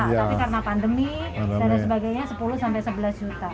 tapi karena pandemi dan sebagainya rp sepuluh sebelas juta